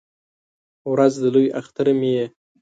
ورځ د لوی اختر مې یې